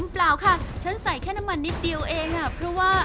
เปล่าค่ะฉันใส่แค่น้ำมันนิดเดียวเองเพราะว่า